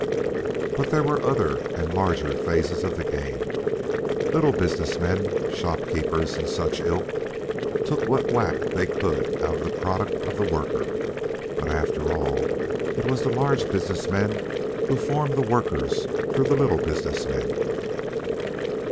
But there were other and larger phases of the game. Little business men, shopkeepers, and such ilk took what whack they could out of the product of the worker; but, after all, it was the large business men who formed the workers through the little business men.